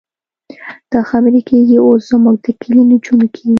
دا خبرې کېږي اوس زموږ د کلي نجونو کې.